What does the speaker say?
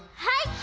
はい！